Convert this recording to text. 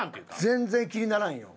全然気にならんよ。